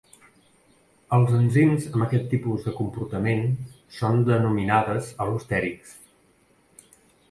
Els enzims amb aquest tipus de comportament són denominades al·lostèrics.